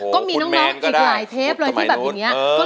ก็มีหน้า้นอีกหลายเทปเลยที่แบบงี้โอ้โหคุณแมนก็ได้